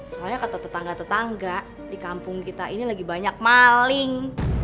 soalnya kata tetangga tetangga di kampung kita ini lagi banyak maling